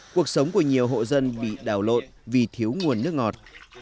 cuộc sống của nhiều hộ dân bị đào lộn vì thiếu nguồn nước ngọt